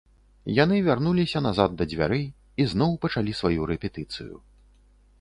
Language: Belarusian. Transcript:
Яны вярнуліся назад да дзвярэй і зноў пачалі сваю рэпетыцыю.